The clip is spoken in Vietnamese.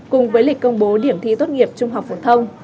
cùng với lịch công bố điểm thi tốt nghiệp trung học phổ thông